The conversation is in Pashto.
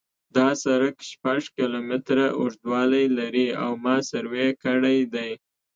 دا سرک شپږ کیلومتره اوږدوالی لري او ما سروې کړی دی